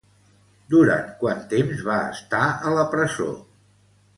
Durant quant temps va estar a la presó?